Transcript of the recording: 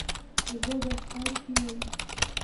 زه دفتر کې یم.